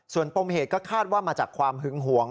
ส่วนปมเหตุก็คาดว่ามาจากความหึงหวง